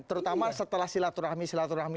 terutama setelah silaturahmi silaturahmi